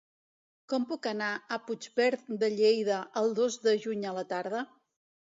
Com puc anar a Puigverd de Lleida el dos de juny a la tarda?